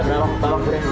segini bawa seporsi